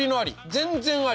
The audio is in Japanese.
全然あり。